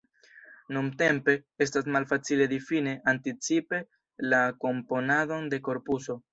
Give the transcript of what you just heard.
Nuntempe, estas malfacile difini anticipe la komponadon de korpuso.